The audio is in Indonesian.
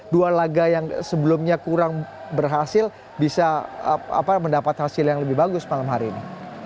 dua laga yang sebelumnya kurang berhasil bisa mendapat hasil yang lebih bagus malam hari ini